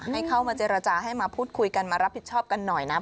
ให้เข้ามาเจรจาให้มาพูดคุยกันมารับผิดชอบกันหน่อยนะ